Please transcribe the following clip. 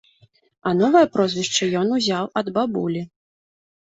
А новае прозвішча ён узяў ад бабулі.